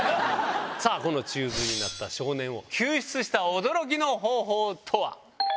さあ、この宙づりになった少年を救出した驚きの方法とは。